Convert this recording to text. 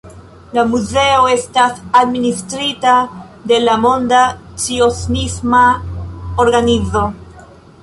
La muzeo estas administrita de la Monda Cionisma Organizo.